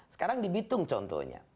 sekarang di bitung contohnya